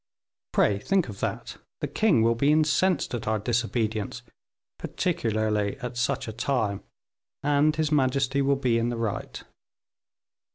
Pray think of that; the king will be incensed at our disobedience, particularly at such a time, and his majesty will be in the right."